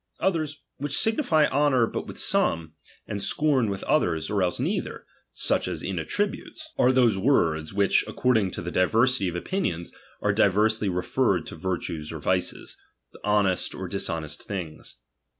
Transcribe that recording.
Others, which signify honour but with some, and scorn with others, or else neither ; such as in attributes. 212 RBLIGION. are those words, which, according to the diversity of opinions, are diversely referred to virtues or vices, to honest or dishonest things.